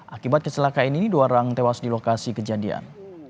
akibat kecelakaan ini dua orang tewas di lokasi kejadian